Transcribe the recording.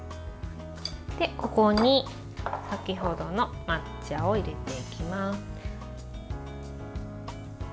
ここに先程の抹茶を入れていきます。